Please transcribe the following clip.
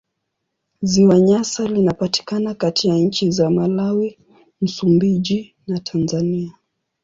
Ziwa Nyasa linapatikana kati ya nchi za Malawi, Msumbiji na Tanzania.